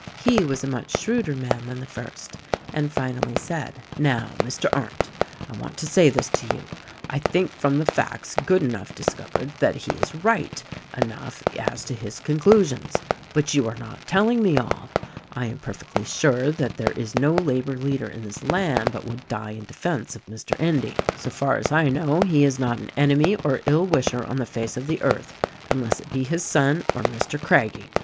He was a much shrewder man than the first, and finally said, "Now, Mr. Arndt, I want to say this to you: I think from the facts Goodenough discovered that he is right enough as to his conclusions; but you are not telling me all. I am perfectly sure that there is no labor leader in this land but what would die in defense of Mr. Endy. So far as I know he has not an enemy or ill wisher on the face of the earth unless it be his son or Mr. Craggie.